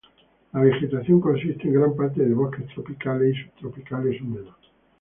La vegetación consiste en gran parte de bosques tropicales y subtropicales húmedos.